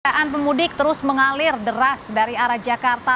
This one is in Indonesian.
kendaraan pemudik terus mengalir deras dari arah jakarta